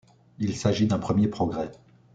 Il s’agit d’un premier progrès.